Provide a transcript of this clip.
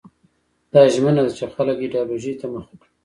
دا ژمنه ده چې خلک ایدیالوژۍ ته مخه کړي.